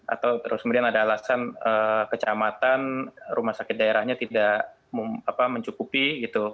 atau terus kemudian ada alasan kecamatan rumah sakit daerahnya tidak mencukupi gitu